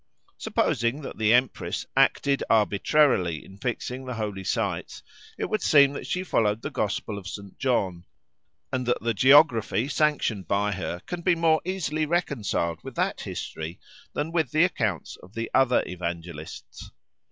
Supposing that the Empress acted arbitrarily in fixing the holy sites, it would seem that she followed the Gospel of St. John, and that the geography sanctioned by her can be more easily reconciled with that history than with the accounts of the other Evangelists.